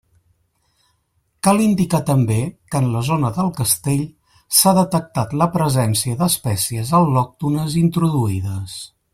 Cal indicar també que en la zona del Castell s'ha detectat la presència d'espècies al·lòctones introduïdes.